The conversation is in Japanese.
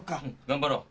頑張ろう。